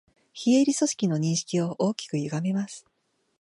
非営利組織の認識を大きくゆがめます